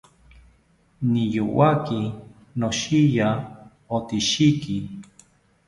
Niyowaki noshiya otishiki